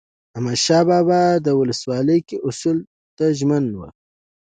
احمدشاه بابا به د ولسواکۍ اصولو ته ژمن و.